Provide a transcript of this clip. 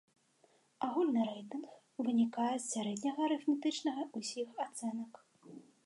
Агульны рэйтынг вынікае з сярэдняга арыфметычнага ўсіх ацэнак.